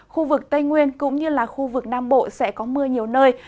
khu vực tây nguyên cũng như là khu vực nam bộ sẽ có mưa nhiều nơi